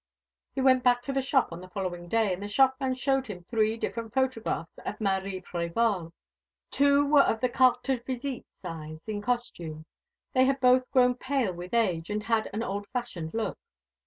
He went back to the shop on the following day, and the shopman showed him three different photographs of Marie Prévol. Two were of the carte de visite size, in costume. They had both grown pale with age, and had an old fashioned look.